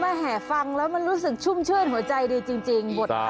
แห่ฟังแล้วมันรู้สึกชุ่มชื่นหัวใจดีจริงบท